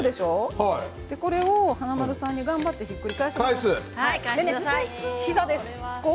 これを華丸さんに頑張ってひっくり返してもらう。